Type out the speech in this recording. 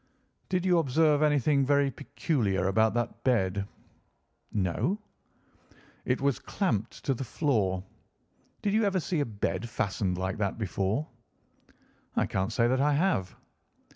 "Did you observe anything very peculiar about that bed?" "No." "It was clamped to the floor. Did you ever see a bed fastened like that before?" "I cannot say that I have."